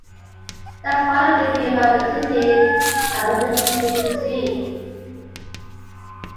That's part of the thing about the city I wanted people to see.